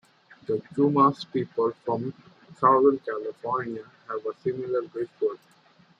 The Chumash people from southern California have a similar ritual.